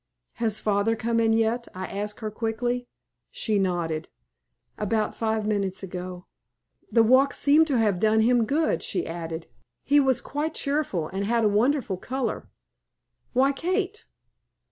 "Has father come in yet?" I asked her, quickly. She nodded. "About five minutes ago. The walk seemed to have done him good," she added. "He was quite cheerful, and had a wonderful color. Why, Kate!